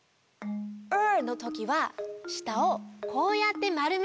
“ｒ”のときはしたをこうやってまるめるの。